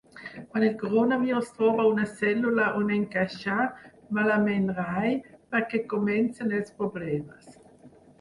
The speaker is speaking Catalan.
Quan el coronavirus troba una cèl·lula on encaixar, ‘malament rai’, perquè comencen els problemes.